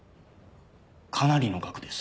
かなりの額です。